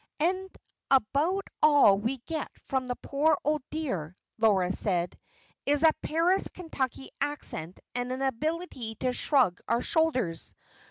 "And about all we get from the poor old dear," Laura said, "is a Paris Kentucky accent and an ability to shrug our shoulders.